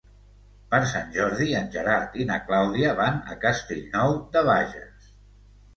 Per Sant Jordi en Gerard i na Clàudia van a Castellnou de Bages.